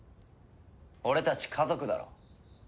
俺たち家族だろ。